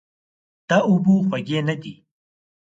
دا اوبه خوږې نه دي.